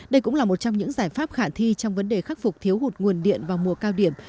đây cũng là một trong những giải pháp khả thi trong vấn đề khắc phục thiếu hụt nguồn điện vào mùa cao điểm